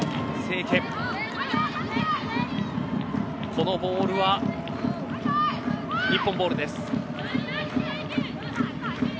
このボールは日本ボールです。